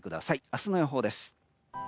明日の予報です。